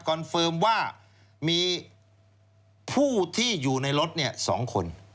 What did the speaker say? เฟิร์มว่ามีผู้ที่อยู่ในรถ๒คน